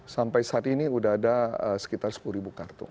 sampai saat ini sudah ada sekitar sepuluh kartu